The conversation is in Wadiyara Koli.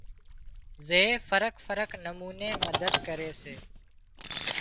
زي فرق فرق نموني مدد ڪري سي